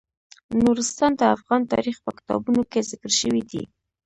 نورستان د افغان تاریخ په کتابونو کې ذکر شوی دي.